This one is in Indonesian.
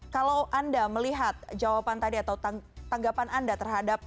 kalau anda melihat jawaban tadi atau tanggapan anda terhadap